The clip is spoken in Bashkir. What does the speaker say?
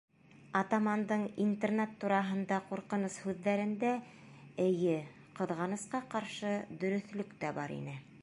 Атамандың интернат тураһында ҡурҡыныс һүҙҙәрендә, эйе, ҡыҙғанысҡа ҡаршы, дөрөҫлөк тә бар ине.